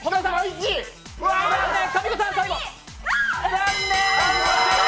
残念！